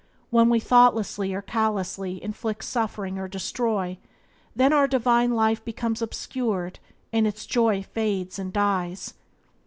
When we thoughtlessly or callously inflict suffering or destroy, then our divine life becomes obscured, and its joy fades and dies.